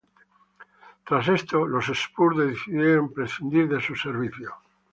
Tras esto, los Spurs decidieron prescindir de sus servicios.